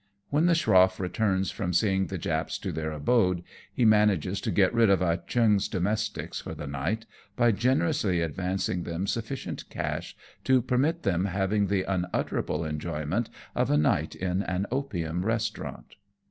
"When the schroff returns from seeing the Japs to their abode, he manages to get rid of Ah Cheong's H 98 AMONG TYPHOONS AND PIRATE CRAFT. domestics for the nighty by generously advancing them sufficient cash to permit them having the unutterable enjoyment of a night in an opium restaurant.